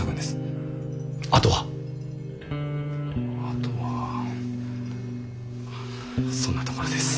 あとはそんなところです。